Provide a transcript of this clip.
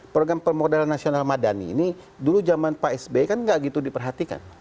program permodal nasional madani ini dulu zaman pak sbi kan tidak begitu diperhatikan